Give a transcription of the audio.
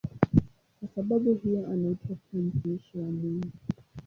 Kwa sababu hiyo anaitwa pia "mtumishi wa Mungu".